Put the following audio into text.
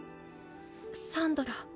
サンドラ。